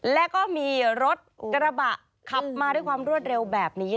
แล้วก็มีรถกระบะขับมาด้วยความรวดเร็วแบบนี้